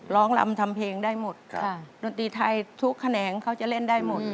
ลำทำเพลงได้หมดค่ะดนตรีไทยทุกแขนงเขาจะเล่นได้หมด